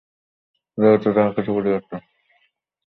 জগতে যাহা কিছু পরিবর্তন ও বিকাশ দেখা যায়, সবই তাঁহার কাজ।